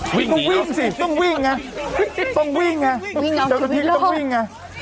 ต้องวิ่งสิต้องวิ่งอ่ะต้องวิ่งอ่ะต้องวิ่งอ่ะต้องวิ่งอ่ะ